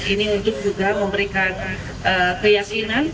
ini untuk juga memberikan keyakinan